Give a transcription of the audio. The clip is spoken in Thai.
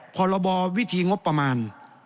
พรบวิธีงบประมาณ